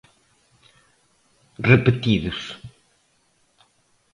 Repetidos.